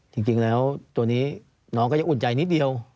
จริงแล้วตัวนี้น้องก็ยังอุ่นใจนิดเดียว